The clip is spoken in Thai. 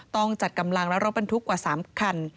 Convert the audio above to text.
ต้องจัดกำลังและรถบรรทุกกว่า๓คัน